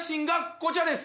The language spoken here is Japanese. こちらです！